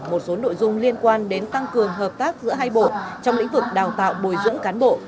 một số nội dung liên quan đến tăng cường hợp tác giữa hai bộ trong lĩnh vực đào tạo bồi dưỡng cán bộ